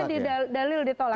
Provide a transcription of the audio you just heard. semua dalil ditolak